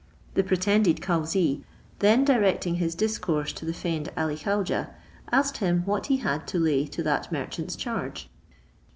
The pretended cauzee then directing his discourse to the feigned Ali Khaujeh, asked him what he had to lay to that merchant's charge?